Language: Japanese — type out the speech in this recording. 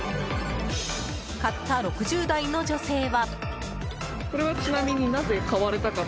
買った６０代の女性は。